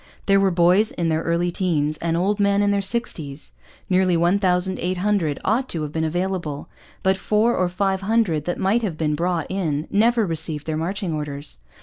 There were boys in their early teens and old men in their sixties. Nearly 1,800 ought to have been available. But four or five hundred that might have been brought in never received their marching orders.